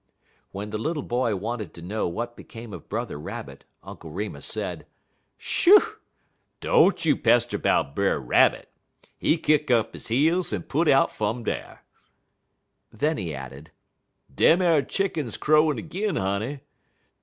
When the little boy wanted to know what became of Brother Rabbit Uncle Remus said: "Shoo! don't you pester 'bout Brer Rabbit. He kick up he heels en put out fum dar." Then he added: "Dem ar chick'ns crowin' 'g'in, honey.